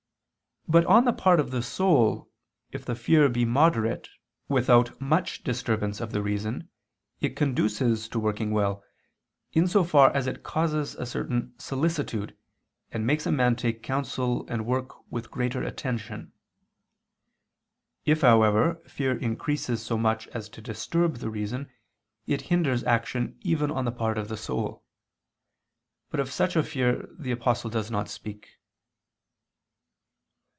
But on the part of the soul, if the fear be moderate, without much disturbance of the reason, it conduces to working well, in so far as it causes a certain solicitude, and makes a man take counsel and work with greater attention. If, however, fear increases so much as to disturb the reason, it hinders action even on the part of the soul. But of such a fear the Apostle does not speak.